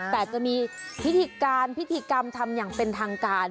แต่จะมีพิธีการพิธีกรรมทำอย่างเป็นทางการ